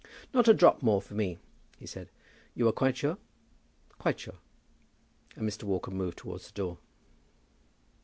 "Not a drop more for me," he said. "You are quite sure?" "Quite sure." And Mr. Walker moved towards the door.